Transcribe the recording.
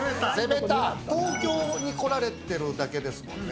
東京に来られてるだけですものね。